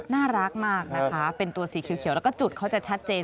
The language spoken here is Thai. น่ารักมากนะคะเป็นตัวสีเขียวแล้วก็จุดเขาจะชัดเจน